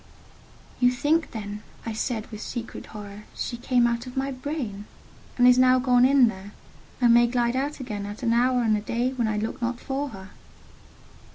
"You think then," I said, with secret horror, "she came out of my brain, and is now gone in there, and may glide out again at an hour and a day when I look not for her?"